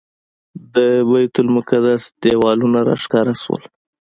د بیت المقدس دیوالونه راښکاره شول.